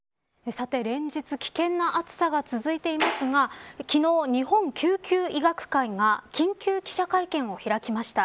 さて連日、危険な暑さが続いていますが昨日、日本救急医学会が緊急記者会見を開きました。